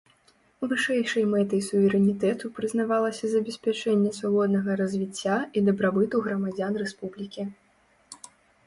Вышэйшай мэтай суверэнітэту прызнавалася забеспячэнне свабоднага развіцця і дабрабыту грамадзян рэспублікі.